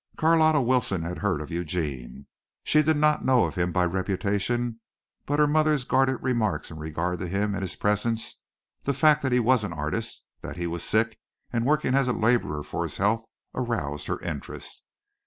Carlotta Wilson had heard of Eugene. She did not know of him by reputation, but her mother's guarded remarks in regard to him and his presence, the fact that he was an artist, that he was sick and working as a laborer for his health aroused her interest.